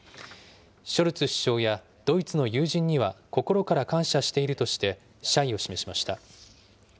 ショルツ首相やドイツの友人には、心から感謝しているとして謝意を示しました。